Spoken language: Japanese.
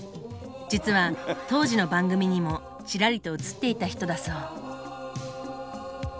実は当時の番組にもチラリと映っていた人だそう。